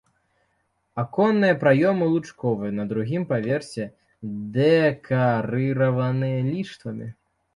Аконныя праёмы лучковыя, на другім паверсе дэкарыраваны ліштвамі.